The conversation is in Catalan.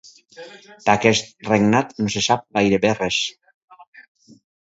D'aquests regnats no se sap gairebé res.